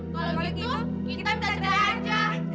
kalau begitu kita bisa cedera aja